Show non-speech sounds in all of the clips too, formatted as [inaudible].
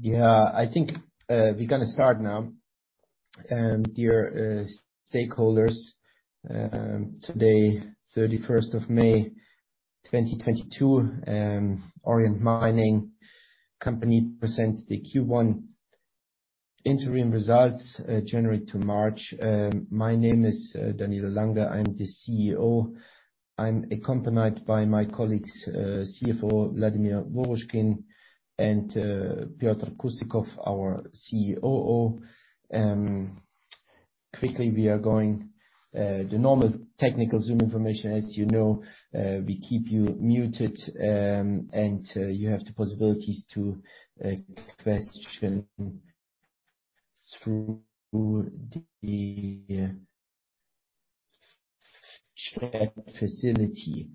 Yeah, I think we're gonna start now. Dear stakeholders, today, 31st of May, 2022, Auriant Mining presents the Q1 interim results, January to March. My name is Danilo Lange. I'm the CEO. I'm accompanied by my colleagues, CFO Vladimir Vorushkin and Petr Kustikov, our COO. Quickly we are going the normal technical Zoom information. As you know, we keep you muted, and you have the possibilities to question through the chat facility.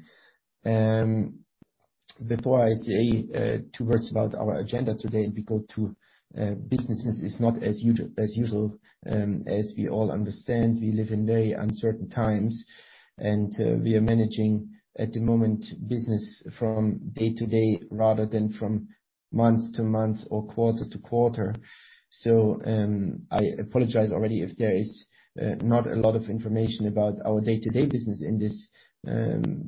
Before I say two words about our agenda today and we go to businesses as not as usual, as we all understand, we live in very uncertain times, and we are managing, at the moment, business from day-to-day, rather than from month-to-month or quarter-to-quarter. I apologize already if there is not a lot of information about our day-to-day business in this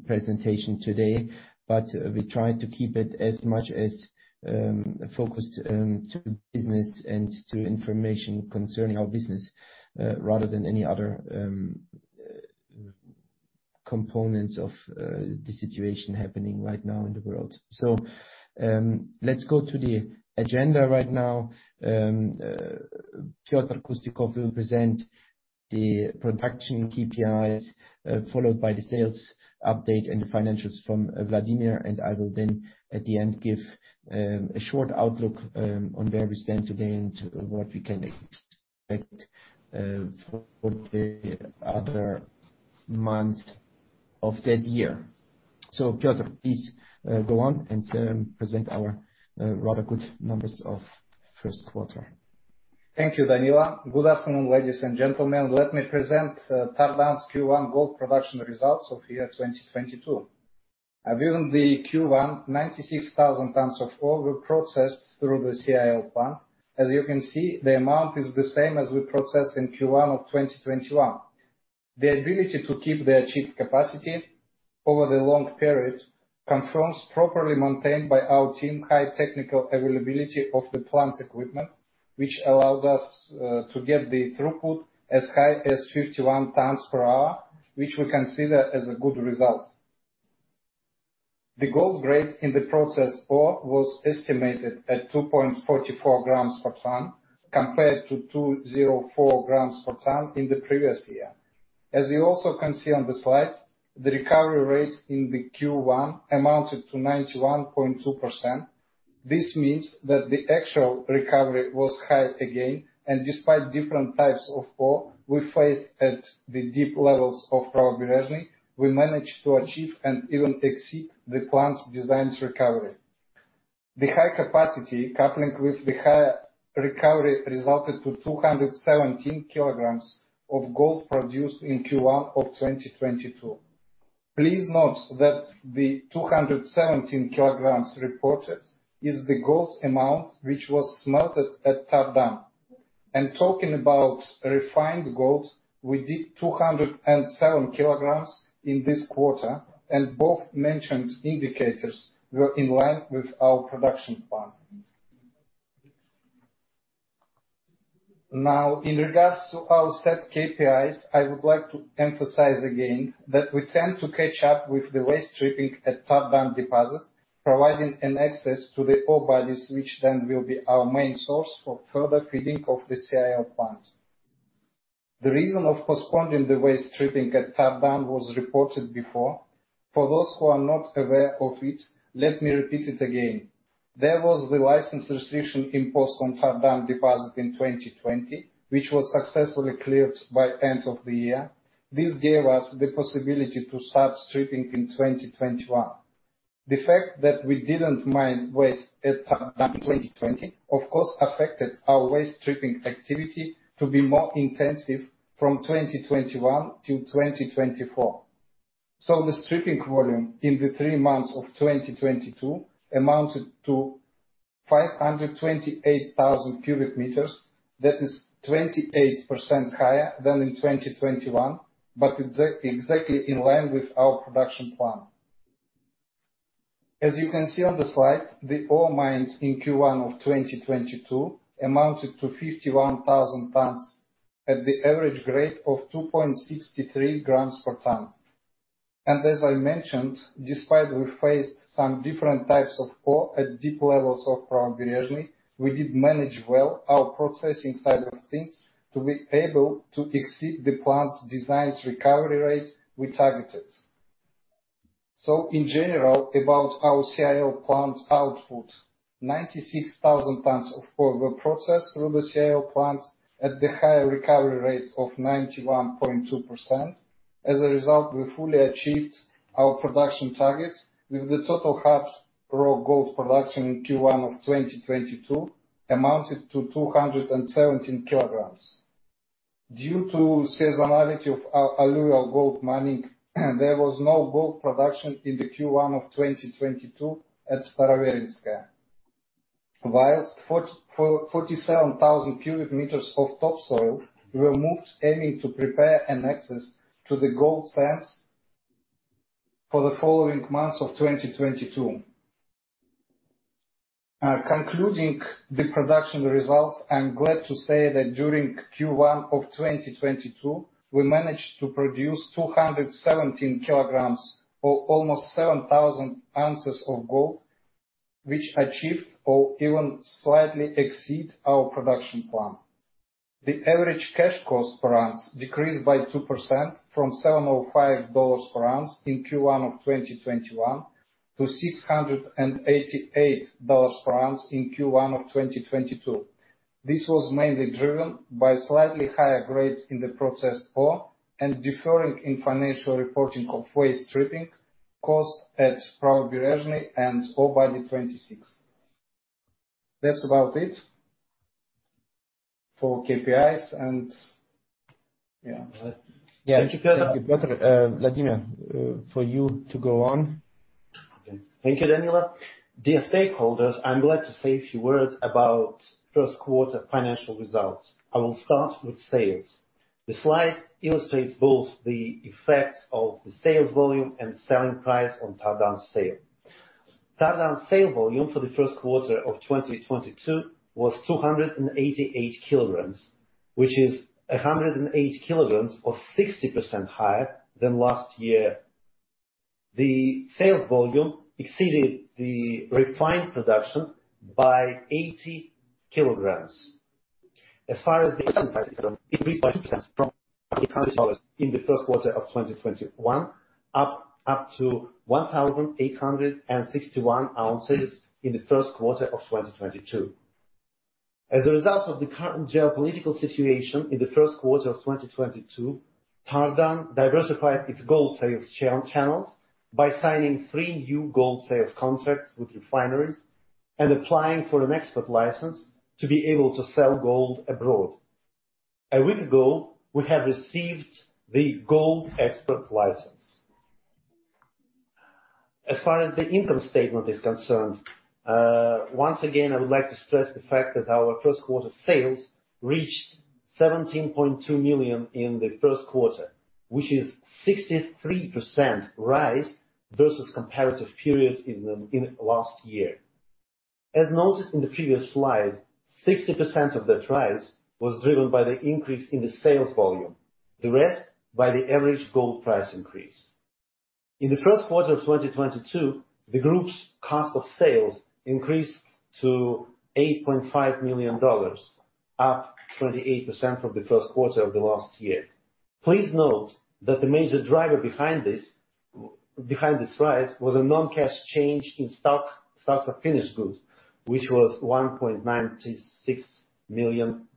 presentation today. We try to keep it as much as focused to business and to information concerning our business rather than any other components of the situation happening right now in the world. Let's go to the agenda right now. Petr Kustikov will present the production KPIs followed by the sales update and the financials from Vladimir, and I will then at the end give a short outlook on where we stand today and what we can expect for the other months of that year. Petr, please, go on and present our rather good numbers of first quarter. Thank you, Danilo. Good afternoon, ladies and gentlemen. Let me present Tardan's Q1 gold production results of year 2022. During the Q1, 96,000 tons of ore were processed through the CIL plant. As you can see, the amount is the same as we processed in Q1 of 2021. The ability to keep the achieved capacity over the long period confirms properly maintained by our team high technical availability of the plant equipment, which allowed us to get the throughput as high as 51 tons per hour, which we consider as a good result. The gold grade in the processed ore was estimated at 2.44 g per ton, compared to 2.04 g per ton in the previous year. As you also can see on the slide, the recovery rates in the Q1 amounted to 91.2%. This means that the actual recovery was high again, and despite different types of ore we faced at the deep levels of Pravoberezhny, we managed to achieve and even exceed the plant's designed recovery. The high capacity coupling with the higher recovery resulted to 217 kg of gold produced in Q1 of 2022. Please note that the 217 kg reported is the gold amount which was smelted at Tardan. Talking about refined gold, we did 207 kg in this quarter, and both mentioned indicators were in line with our production plan. Now, in regards to our set KPIs, I would like to emphasize again that we tend to catch up with the waste stripping at Tardan deposit, providing an access to the ore bodies which then will be our main source for further feeding of the CIL plant. The reason of postponing the waste stripping at Tardan was reported before. For those who are not aware of it, let me repeat it again. There was the license restriction imposed on Tardan deposit in 2020, which was successfully cleared by end of the year. This gave us the possibility to start stripping in 2021. The fact that we didn't mine waste at Tardan in 2020, of course, affected our waste stripping activity to be more intensive from 2021 till 2024. The stripping volume in the three months of 2022 amounted to 528,000 m³. That is 28% higher than in 2021, but exactly in line with our production plan. As you can see on the slide, the ore mined in Q1 of 2022 amounted to 51,000 tons at the average grade of 2.63 g per ton. As I mentioned, despite we faced some different types of ore at deep levels of Pravoberezhny, we did manage well our processing side of things to be able to exceed the plant's designed recovery rate we targeted. In general, about our CIL plant output, 96,000 tons of ore were processed through the CIL plant at the higher recovery rate of 91.2%. As a result, we fully achieved our production targets with the total poured raw gold production in Q1 of 2022 amounted to 217 kg. Due to seasonality of alluvial gold mining, there was no gold production in the Q1 of 2022 at Staroverinskaya. While 44,000-47,000 m³ of topsoil were moved, aiming to prepare an access to the gold sands for the following months of 2022. Concluding the production results, I'm glad to say that during Q1 of 2022, we managed to produce 217 kg or almost 7,000 oz of gold, which achieved or even slightly exceed our production plan. The average cash cost per ounce decreased by 2% from $705 per oz in Q1 of 2021 to $688 per oz in Q1 of 2022. This was mainly driven by slightly higher grades in the processed ore and deferring in financial reporting of waste stripping cost at Pravoberezhny and Ore body 26. That's about it for KPIs and, yeah. Thank you, Petr. Vladimir, for you to go on. Okay. Thank you, Danilo. Dear stakeholders, I'm glad to say a few words about first quarter financial results. I will start with sales. The slide illustrates both the effect of the sales volume and selling price on Tardan sales. Tardan sales volume for the first quarter of 2022 was 288 kg, which is 108 kg or 60% higher than last year. The sales volume exceeded the refined production by 80 kg. As far as the selling price is concerned, it increased by 2% from $1,830 in the first quarter of 2021, up to $1,861 per oz in the first quarter of 2022. As a result of the current geopolitical situation in the first quarter of 2022, Tardan diversified its gold sales channels by signing three new gold sales contracts with refineries and applying for an export license to be able to sell gold abroad. A week ago, we have received the gold export license. As far as the income statement is concerned, once again, I would like to stress the fact that our first quarter sales reached $17.2 million in the first quarter, which is 63% rise versus comparative period in the last year. As noted in the previous slide, 60% of that rise was driven by the increase in the sales volume, the rest by the average gold price increase. In the first quarter of 2022, the group's cost of sales increased to $8.5 million, up 28% from the first quarter of the last year. Please note that the major driver behind this rise was a non-cash change in stocks of finished goods, which was $1.96 million.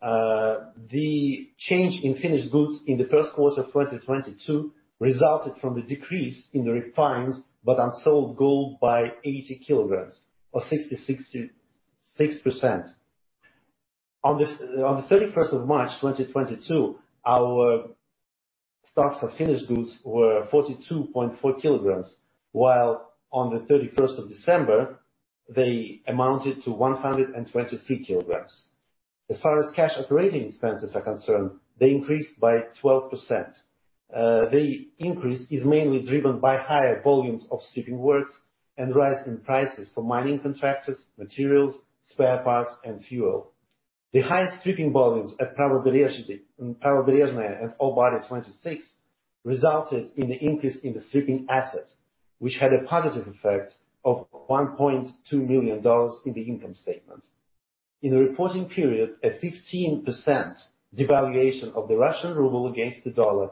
The change in finished goods in the first quarter of 2022 resulted from the decrease in the refined but unsold gold by 80 kg or 66%. On the 31st of March, 2022, our stocks of finished goods were 42.4 kg, while on the 31st of December, they amounted to 123 kg. As far as cash operating expenses are concerned, they increased by 12%. The increase is mainly driven by higher volumes of stripping works and rise in prices for mining contractors, materials, spare parts, and fuel. The high stripping volumes at Pravoberezhny and Ore body 26 resulted in the increase in the stripping assets, which had a positive effect of $1.2 million in the income statement. In the reporting period, a 15% devaluation of the Russian ruble against the dollar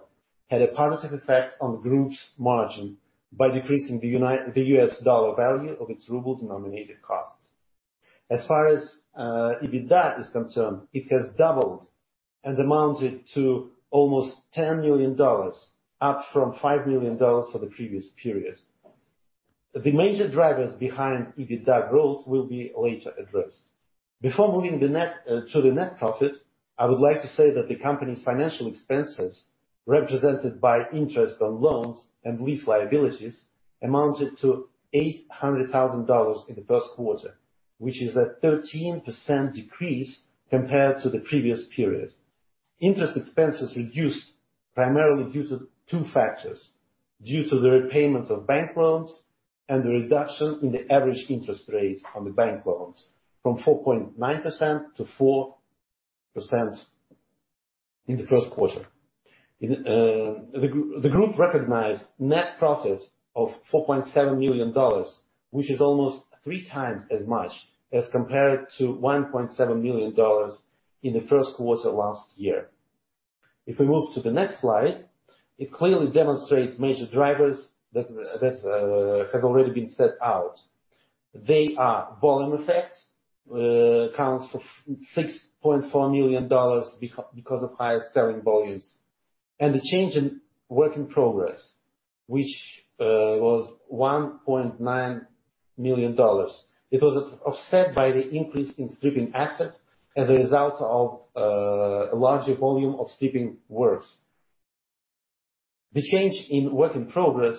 had a positive effect on group's margin by decreasing the U.S. dollar value of its ruble-denominated costs. As far as EBITDA is concerned, it has doubled and amounted to almost $10 million, up from $5 million for the previous period. The major drivers behind EBITDA growth will be later addressed. Before moving to the net profit, I would like to say that the company's financial expenses, represented by interest on loans and lease liabilities, amounted to $800,000 in the first quarter, which is a 13% decrease compared to the previous period. Interest expenses reduced primarily due to two factors, due to the repayments of bank loans and the reduction in the average interest rate on the bank loans from 4.9% to 4% in the first quarter. In the group recognized net profit of $4.7 million, which is almost three times as much as compared to $1.7 million in the first quarter last year. If we move to the next slide, it clearly demonstrates major drivers that have already been set out. The volume effect accounts for $6.4 million because of higher selling volumes. The change in work in progress, which was $1.9 million. It was offset by the increase in stripping assets as a result of a larger volume of stripping works. The change in work in progress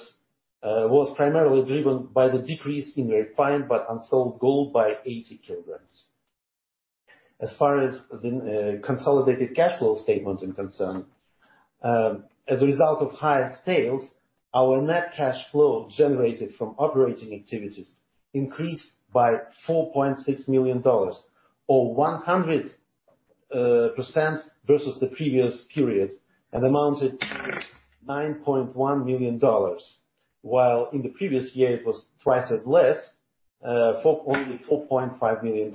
was primarily driven by the decrease in refined but unsold gold by 80 kg. As far as the consolidated cash flow statement is concerned, as a result of higher sales, our net cash flow generated from operating activities increased by $4.6 million or 100% versus the previous period and amounted $9.1 million, while in the previous year it was twice as less $4.5 million.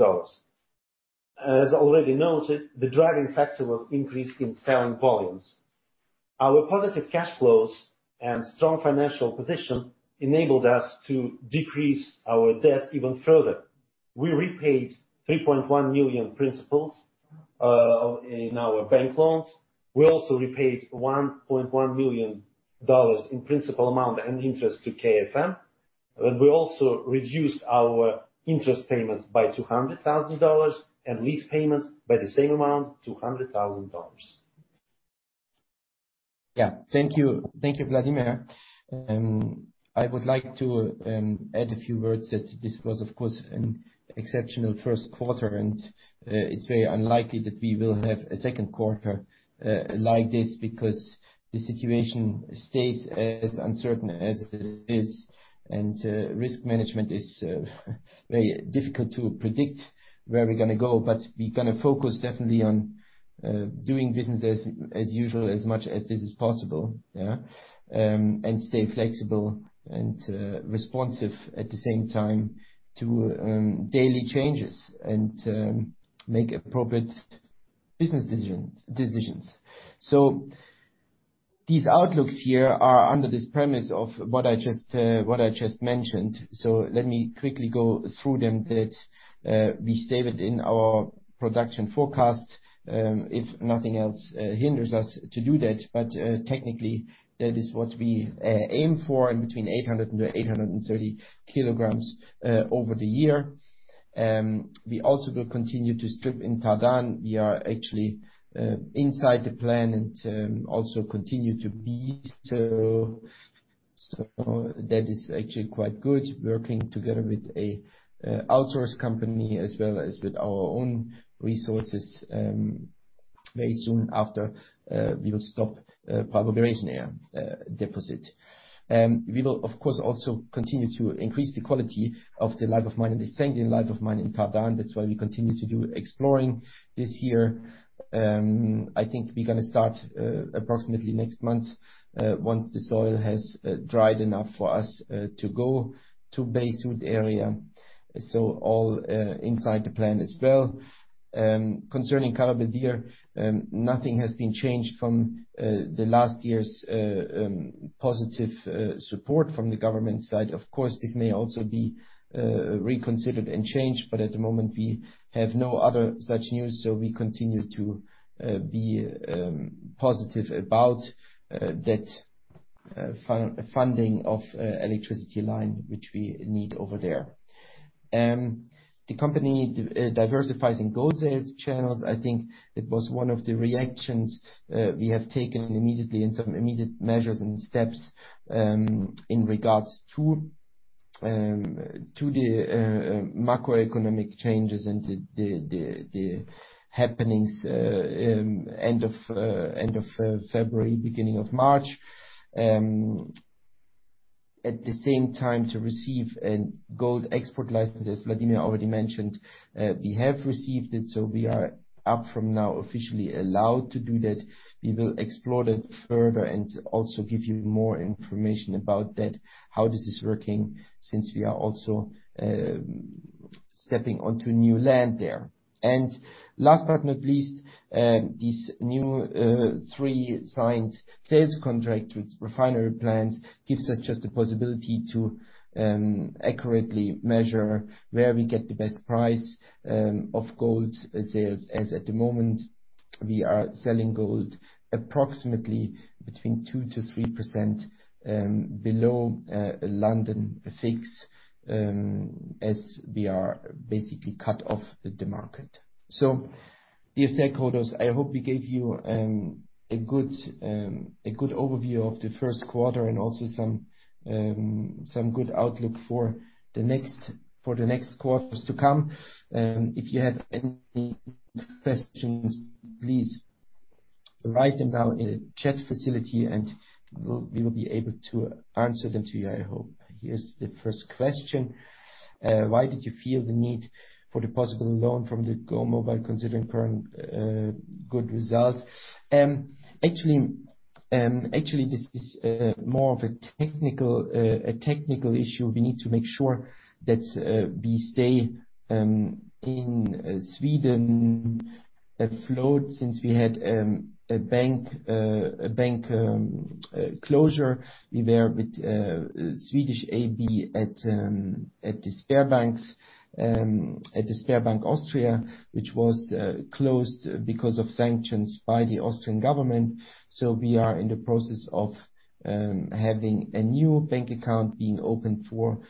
As already noted, the driving factor was increase in selling volumes. Our positive cash flows and strong financial position enabled us to decrease our debt even further. We repaid $3.1 million principal in our bank loans. We also repaid $1.1 million in principal amount and interest to KFM, and we also reduced our interest payments by $200,000 and lease payments by the same amount, $200,000. Yeah. Thank you. Thank you, Vladimir. I would like to add a few words that this was, of course, an exceptional first quarter, and it's very unlikely that we will have a second quarter like this because the situation stays as uncertain as it is, and risk management is very difficult to predict where we're gonna go. We're gonna focus definitely on doing business as usual, as much as this is possible, yeah, and stay flexible and responsive at the same time to daily changes and make appropriate business decisions. These outlooks here are under this premise of what I just mentioned. Let me quickly go through them that we stated in our production forecast, if nothing else hinders us to do that. Technically, that is what we aim for in between 800 kg and 830 kg over the year. We also will continue to strip in Tardan. We are actually inside the plan and also continue to be so. That is actually quite good, working together with a outsource company as well as with our own resources, very soon after we will stop [audio distortion] deposit. We will of course also continue to increase the quality of the life of mine and extending life of mine in Tardan. That's why we continue to do exploring this year. I think we're gonna start approximately next month, once the soil has dried enough for us to go to Bai-Syut area, all inside the plan as well. Concerning Kara-Beldyr, nothing has been changed from last year's positive support from the government side. Of course, this may also be reconsidered and changed, but at the moment we have no other such news, so we continue to be positive about that funding of electricity line, which we need over there. The company diversifying gold sales channels, I think it was one of the reactions we have taken immediately and some immediate measures and steps in regards to the macroeconomic changes and the happenings end of February, beginning of March. At the same time to receive a gold export license, as Vladimir already mentioned, we have received it, so we are now officially allowed to do that. We will explore that further and also give you more information about that, how this is working, since we are also stepping onto new land there. Last but not least, these new three signed sales contract with refinery plants gives us just the possibility to accurately measure where we get the best price of gold sales as at the moment we are selling gold approximately between 2%-3% below London fix as we are basically cut off the market. Dear stakeholders, I hope we gave you a good overview of the first quarter and also some good outlook for the next quarters to come. If you have any questions, please write them down in the chat facility, and we'll be able to answer them to you, I hope. Here's the first question. Why did you feel the need for the possible loan from the GoMobile considering current good results? Actually, this is more of a technical issue. We need to make sure that we stay in Sweden float since we had a bank closure. We were with Swedish AB at Sberbank Austria, which was closed because of sanctions by the Austrian government. We are in the process of having a new bank account being opened for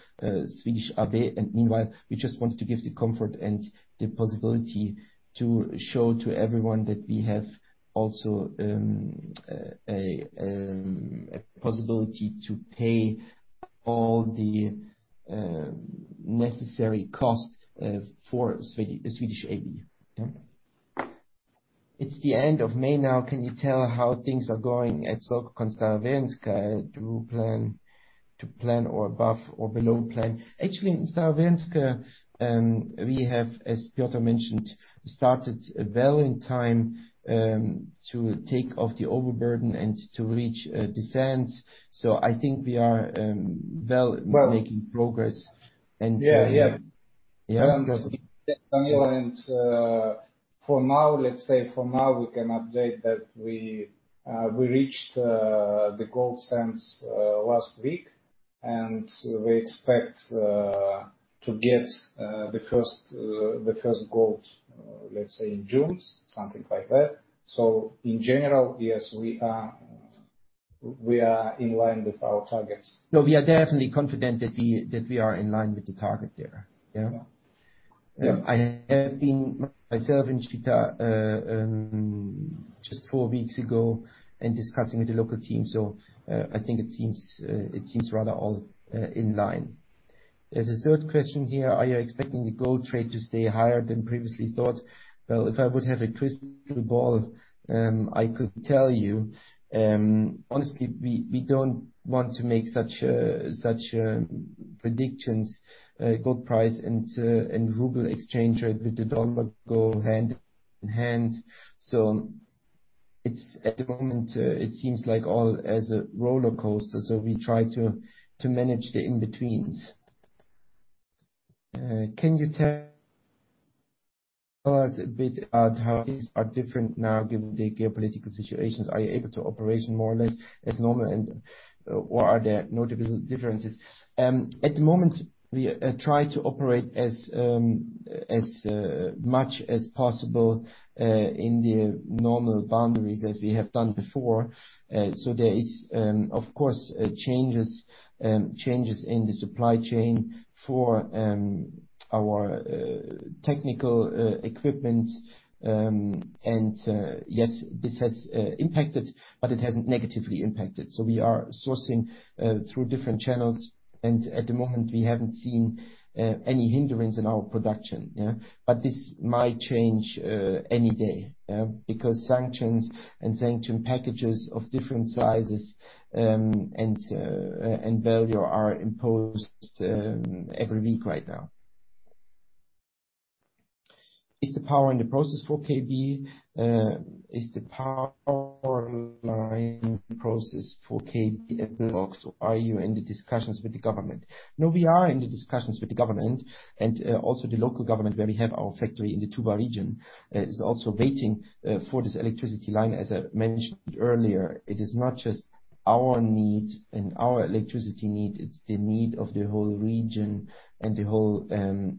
Swedish AB. Meanwhile, we just wanted to give the comfort and the possibility to show to everyone that we have also a possibility to pay all the necessary costs for Swedish AB. Yeah. It's the end of May now, can you tell how things are going at Solcocon Staroverinskaya to plan or above or below plan? Actually, in Staroverinskaya, we have, as Petr mentioned, started well in time to take off the overburden and to reach the sands. I think we are well making progress. Yeah. Yeah. Yeah. For now, let's say we can update that we reached the gold sands last week. We expect to get the first gold, let's say in June, something like that. In general, yes, we are in line with our targets. No, we are definitely confident that we are in line with the target there. Yeah. Yeah. I have been myself in Chita just four weeks ago and discussing with the local team. I think it seems rather all in line. There's a third question here. Are you expecting the gold trade to stay higher than previously thought? Well, if I would have a crystal ball, I could tell you. Honestly, we don't want to make such predictions. Gold price and ruble exchange rate with the dollar go hand in hand. It's at the moment, it seems like it's all a rollercoaster. We try to manage the in-betweens. Can you tell us a bit about how things are different now given the geopolitical situations? Are you able to operate more or less as normal and or are there notable differences? At the moment, we try to operate as much as possible in the normal boundaries as we have done before. There is, of course, changes in the supply chain for our technical equipment. Yes, this has impacted, but it hasn't negatively impacted. We are sourcing through different channels, and at the moment, we haven't seen any hindrance in our production, yeah. This might change any day, yeah, because sanctions and sanction packages of different sizes and value are imposed every week right now. Is the power line process for KB ongoing? Are you in the discussions with the government? No, we are in the discussions with the government and also the local government, where we have our factory in the Tuva Region, is also waiting for this electricity line. As I mentioned earlier, it is not just our needs and our electricity need, it's the need of the whole region and the whole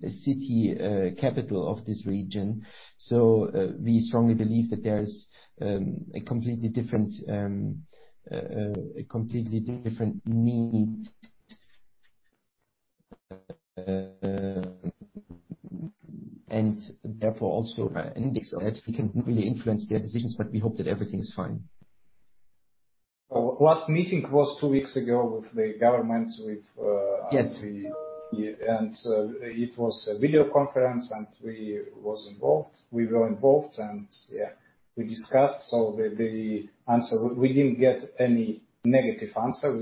city, capital of this region. We strongly believe that there is a completely different need. Therefore also an incentive that we can really influence their decisions, but we hope that everything is fine. Last meeting was two weeks ago with the government. Yes. It was a video conference, and we were involved and, yeah, we discussed. The answer, we didn't get any negative answer.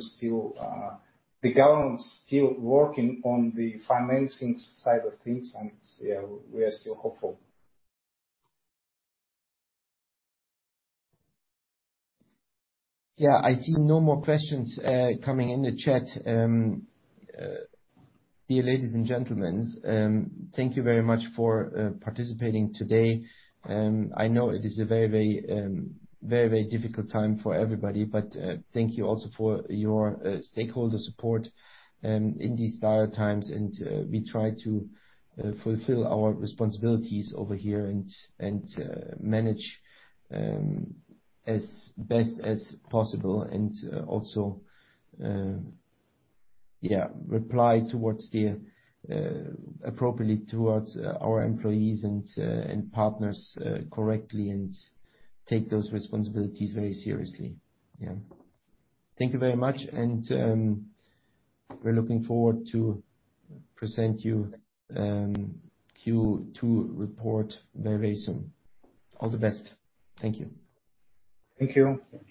The government is still working on the financing side of things and, yeah, we are still hopeful. Yeah. I see no more questions coming in the chat. Dear ladies and gentlemen, thank you very much for participating today. I know it is a very difficult time for everybody. Thank you also for your stakeholder support in these dire times. We try to fulfill our responsibilities over here and manage as best as possible. Also, yeah, reply towards the appropriately towards our employees and partners correctly and take those responsibilities very seriously. Yeah. Thank you very much and we're looking forward to present you Q2 report very soon. All the best. Thank you. Thank you.